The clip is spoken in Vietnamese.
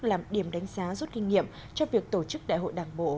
làm điểm đánh giá rút kinh nghiệm cho việc tổ chức đại hội đảng bộ